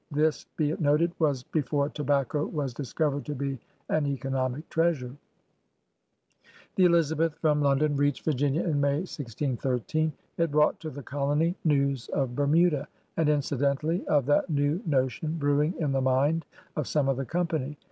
'* This, be it noted, was before tobacco was dis covered to be an economic treasure. The Elizabeth from London reached Virginia in May, 1613. It brought to the colony news of Sm THOMAS DALE 91 Bennuda, and indd^itally of ihat new notion brewing in the mind of some of ilie Company.